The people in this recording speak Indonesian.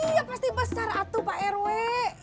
iya pasti besar atuh pak erwin